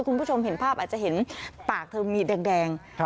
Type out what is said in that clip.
คุณผู้ชมเห็นภาพอาจจะเห็นปากเธอมีแดง